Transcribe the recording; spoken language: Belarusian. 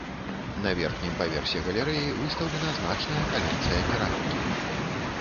На верхнім паверсе галерэі выстаўлена значная калекцыя керамікі.